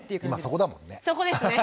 今そこだもんね。